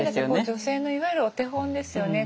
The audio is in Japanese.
女性のいわゆるお手本ですよね。